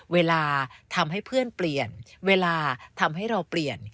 เวลาทำให้เพื่อนเปลี่ยนเวลาทำให้เราเปลี่ยน